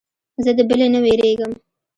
زه د بلې نه وېرېږم.